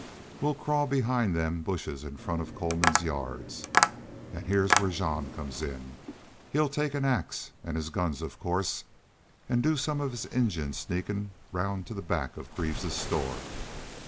We'll crawl behind them bushes in front of Coleman's yard. An' heah's where Jean comes in. He'll take an ax, an' his guns, of course, an' do some of his Injun sneakin' round to the back of Greaves's store....